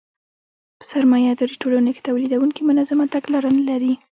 په سرمایه داري ټولنو کې تولیدونکي منظمه تګلاره نلري